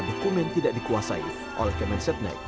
dokumen tidak dikuasai oleh kementerian setenai